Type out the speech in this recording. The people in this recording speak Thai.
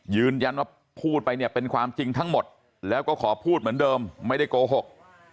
พูดไปเนี่ยเป็นความจริงทั้งหมดแล้วก็ขอพูดเหมือนเดิมไม่ได้โกหก